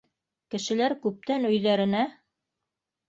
Кешеләр күптән өйҙәренә